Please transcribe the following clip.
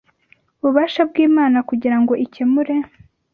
ububasha bw’Imana kugira ngo ikemure